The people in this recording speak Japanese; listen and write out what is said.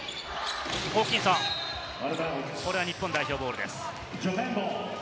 ホーキンソン、これは日本代表ボールです。